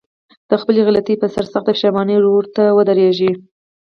د خپلې غلطي په سر سخته پښېماني ورته ودرېږي.